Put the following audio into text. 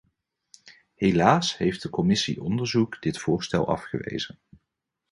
Helaas heeft de commissie onderzoek dit voorstel afgewezen.